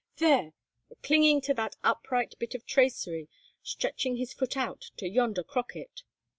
"There! clinging to that upright bit of tracery, stretching his foot out to yonder crocket."